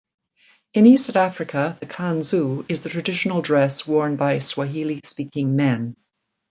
In East Africa, the kanzu is the traditional dress worn by Swahili speaking men.